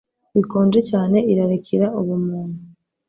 bikonje cyane irarikira ubumuntu